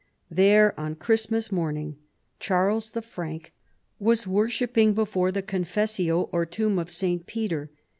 There, on Christmas morning, Charles the Frank was worshipping before the Confessio or tomb of St. Peter.